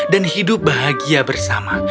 dan hidup bahagia bersama